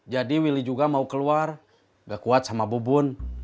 jadi willy juga mau keluar gak kuat sama bubun